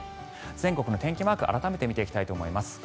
全国の天気マーク改めて見ていきたいと思います。